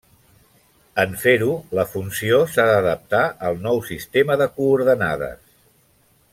En fer-ho la funció s'ha d'adaptar al nou sistema de coordenades.